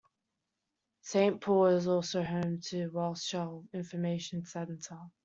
Saint Paul's is also home to the Walsall Information Centre.